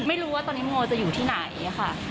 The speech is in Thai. ไม่รู้ว่าตอนนี้โมจะอยู่ที่ไหนค่ะ